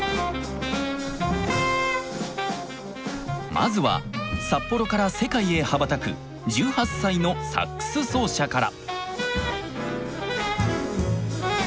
まずは札幌から世界へ羽ばたく１８歳のサックス奏者から。